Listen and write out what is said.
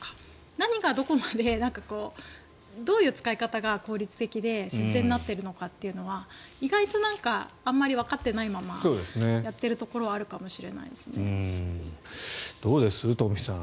何がどこまでどういう使い方が効率的で節電になっているのかというのは意外とあまりわかっていないままやっているところはあるかもしれないですね。